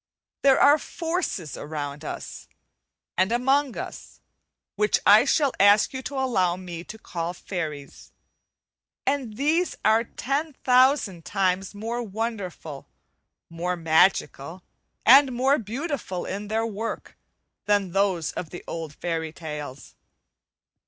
There are forces around us, and among us, which I shall ask you to allow me to call fairies, and these are ten thousand times more wonderful, more magical, and more beautiful in their work, than those of the old fairy tales.